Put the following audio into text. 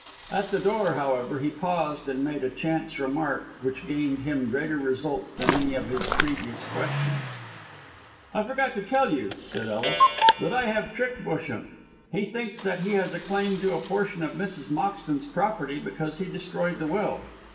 At the door, however, he paused, and made a chance remark which gained him greater results than any of his previous questions. "I forgot to tell you," said Ellis, "that I have tricked Busham. He thinks that he has a claim to a portion of Mrs. Moxton's property because he destroyed the will.